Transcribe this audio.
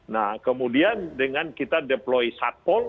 nah kemudian dengan kita deploy satpol